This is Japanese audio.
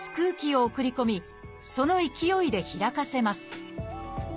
その勢いで開かせます